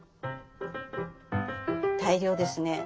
大量ですね。